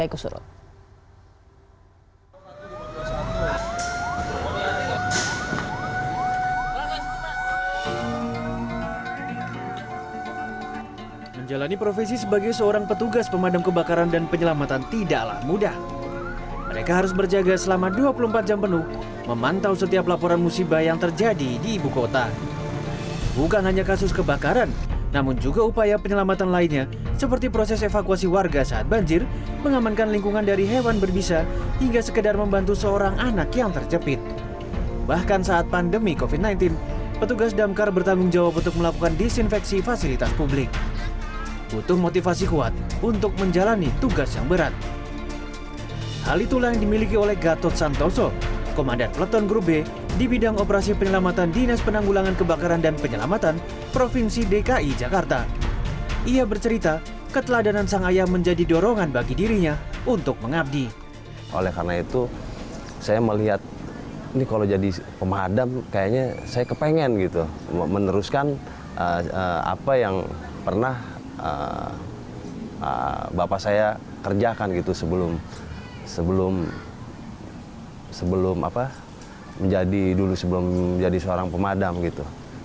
oleh karena itu saya melihat ini kalau jadi pemadam kayaknya saya kepengen gitu meneruskan apa yang pernah bapak saya kerjakan gitu sebelum sebelum sebelum apa menjadi dulu sebelum menjadi seorang pemadam gitu